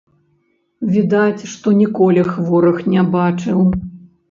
Відаць, што ніколі хворых не бачыў.